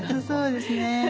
そうですね。